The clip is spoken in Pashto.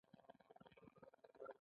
کلکوالی بد دی.